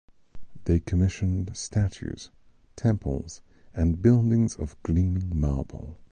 They commissioned statues, temples and buildings of gleaming marble.